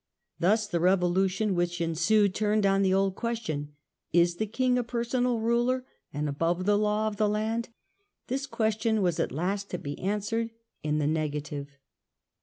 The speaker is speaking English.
Thus the Revolution which ensued turned on the old question — Is the king a personal ruler and above the law of the land? This question was at last to be answered in the negative.